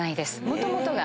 もともとが。